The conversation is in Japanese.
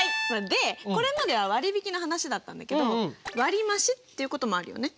でこれまでは割引の話だったんだけど割増っていうこともあるよね？